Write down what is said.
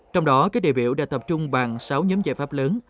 trong đó các đại biểu đã tập trung bàn sáu nhóm giải pháp lớn